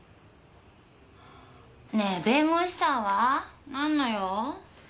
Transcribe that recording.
ねぇ弁護士さんは何の用？